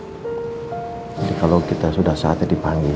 jadi kalau kita sudah saatnya dipanggil